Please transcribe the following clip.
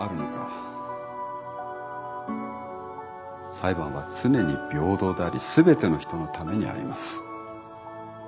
裁判は常に平等であり全ての人のためにあります。